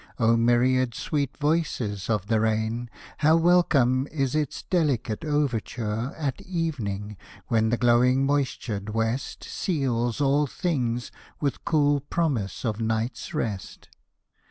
O myriad sweet voices of the rain! How welcome is its delicate overture At evening, when the glowing moistur'd west Seals all things with cool promise of night's rest!